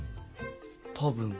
多分。